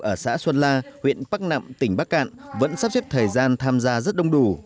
ở xã xuân la huyện bắc nẵm tỉnh bắc cạn vẫn sắp xếp thời gian tham gia rất đông đủ